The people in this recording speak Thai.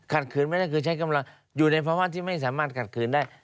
ขืนไม่ได้คือใช้กำลังอยู่ในภาวะที่ไม่สามารถขัดขืนได้